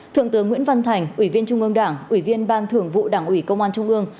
thượng tướng nguyễn văn thành ủy viên trung ương đảng ủy viên ban thưởng vụ đảng ủy công an trung ương